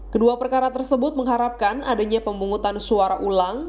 kedua perkara tersebut mengharapkan adanya pemungutan suara ulang